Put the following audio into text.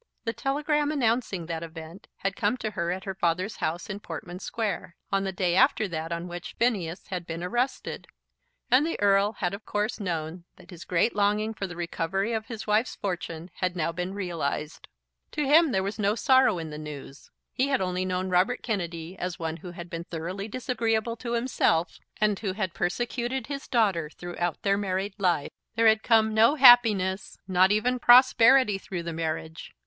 The telegram announcing that event had come to her at her father's house in Portman Square, on the day after that on which Phineas had been arrested, and the Earl had of course known that his great longing for the recovery of his wife's fortune had been now realised. To him there was no sorrow in the news. He had only known Robert Kennedy as one who had been thoroughly disagreeable to himself, and who had persecuted his daughter throughout their married life. There had come no happiness, not even prosperity, through the marriage.